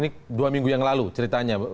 ini dua minggu yang lalu ceritanya